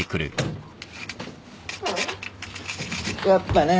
やっぱな。